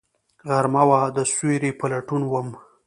غرمه وه، د سیوری په لټون وم